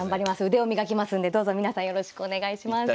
腕を磨きますんでどうぞ皆さんよろしくお願いします。